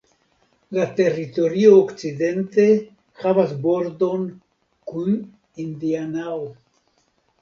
La teritorio okcidente havas bordon kun Indianao.